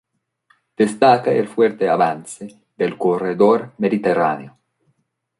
Destaca el fuerte avance del Corredor Mediterráneo.